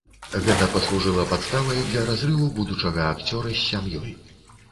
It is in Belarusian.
Гэта паслужыла падставай для разрыву будучага акцёра з сям'ёй.